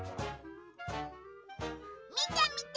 みてみて！